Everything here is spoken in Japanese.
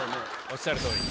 おっしゃる通り。